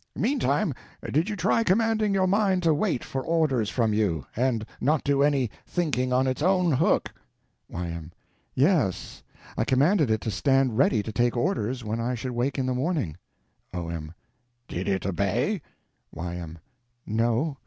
Meantime, did you try commanding your mind to wait for orders from you, and not do any thinking on its own hook? Y.M. Yes, I commanded it to stand ready to take orders when I should wake in the morning. O.M. Did it obey? Y.M. No.